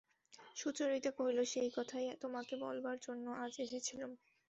সুচরিতা কহিল, সেই কথাই তোমাকে বলবার জন্যে আজ এসেছিলুম।